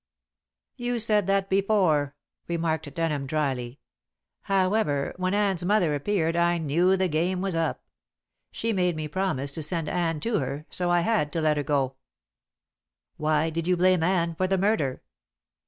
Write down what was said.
"You said that before," remarked Denham dryly. "However, when Anne's mother appeared I knew the game was up. She made me promise to send Anne to her, so I had to let her go." "Why did you blame Anne for the murder?"